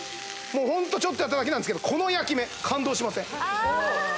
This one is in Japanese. もうホントちょっとやっただけなんですけどこの焼き目感動しません？